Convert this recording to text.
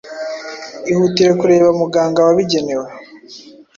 ihutire kureba muganga wabigenewe